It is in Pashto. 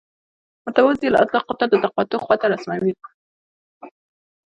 متوازی الاضلاع قطر د تقاطع خواته رسموو.